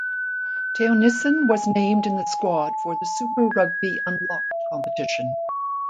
Theunissen was named in the squad for the Super Rugby Unlocked competition.